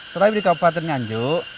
setelah di kabupaten nganjuk